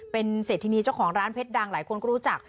เป็นเศรษฐินีเจ้าของร้านเพชรดังหลายคนก็รู้จัก